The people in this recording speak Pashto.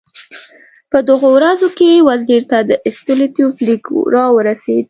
په دغو ورځو کې وزیر ته د ستولیتوف لیک راورسېد.